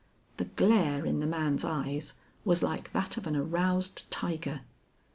The glare in the man's eyes was like that of an aroused tiger.